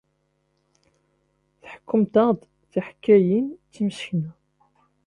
Tḥekkumt-aɣ-d tiḥkayin d timsekna.